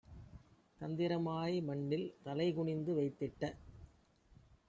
தந்திரமாய் மண்ணில் தலைகுனிந்து வைத்திட்ட